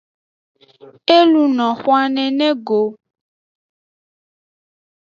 E luno xwan nene go.